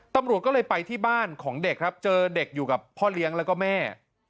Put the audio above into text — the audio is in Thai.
ตำรวจก็เลยไปที่บ้านของเด็กครับเจอเด็กอยู่กับพ่อเลี้ยงแล้วก็แม่